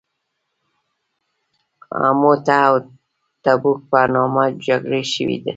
موته او تبوک په نامه جګړې شوي.